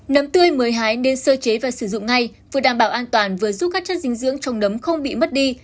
nấm tươi mới hái nên sơ chế và sử dụng ngay vừa đảm bảo an toàn vừa giúp các chất dinh dưỡng trong nấm không bị mất đi